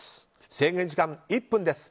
制限時間１分です。